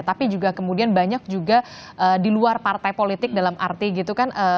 tapi juga kemudian banyak juga di luar partai politik dalam arti gitu kan